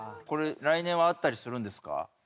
これ来年はあったりするんですか？